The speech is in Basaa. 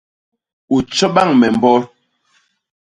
U tjo bañ me mbot!